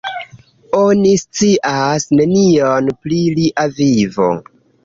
Oni scias nenion pri lia vivo.